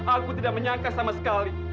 aku tidak menyangka sama sekali